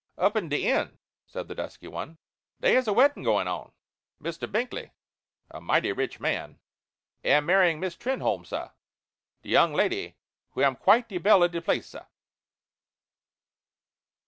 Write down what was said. "Up in de inn," said the dusky one, "dey is a weddin' goin' on. Mr. Binkley, a mighty rich man, am marryin' Miss Trenholme, sah de young lady who am quite de belle of de place, sah."